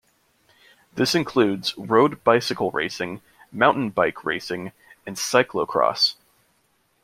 This includes road bicycle racing, Mountain bike racing and Cyclocross.